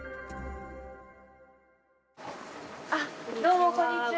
どうもこんにちは。